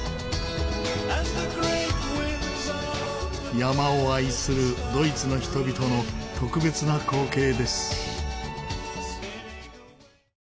山を愛するドイツの人々の特別な光景です。